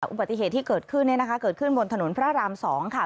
อุบัติเหตุที่เกิดขึ้นเนี่ยนะคะเกิดขึ้นบนถนนพระราม๒ค่ะ